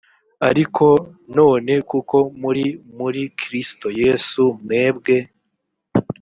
ariko none kuko muri muri kristo yesu mwebwe